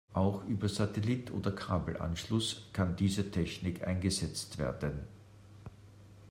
Aber auch über Satellit oder Kabelanschluss kann diese Technik eingesetzt werden.